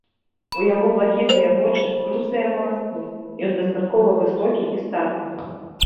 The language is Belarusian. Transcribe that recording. У яго блакітныя вочы, русыя валасы, ён дастаткова высокі і статны.